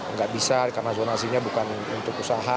nggak bisa karena zonasinya bukan untuk usaha